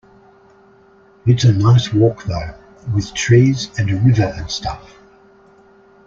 It's a nice walk though, with trees and a river and stuff.